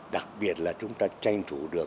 đặc biệt là chúng ta tranh thủ được